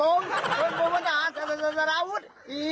ผมพลธหารสาราวุธ